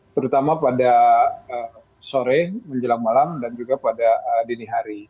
terutama pada sore menjelang malam dan juga pada dini hari